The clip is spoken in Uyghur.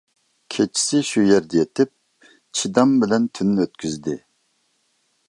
كېچىسى شۇ يەردە يېتىپ چىدام بىلەن تۈننى ئۆتكۈزدى.